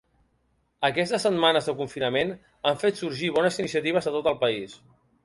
Aquestes setmanes de confinament han fet sorgir bones iniciatives a tot el país.